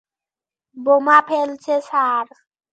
বোমা ফেলছে, স্যার।